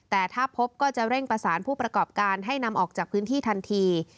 แต่ถ้าพบก็จะเร่งประสานผู้ประกอบการให้นำออกจากพื้นที่ทันที